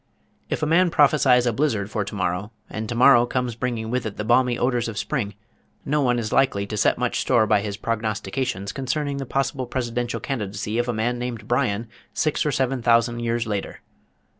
If a man prophesies a blizzard for to morrow and to morrow comes bringing with it the balmy odors of Spring, no one is likely to set much store by his prognostications concerning the possible presidential candidacy of a man named Bryan six or seven thousand years later.